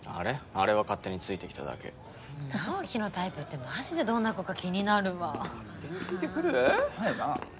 あれは勝手についてきただけ直己のタイプってマジでどんな子か気になるわ勝手についてくる？